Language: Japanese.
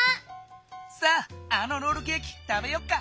さああのロールケーキ食べよっか。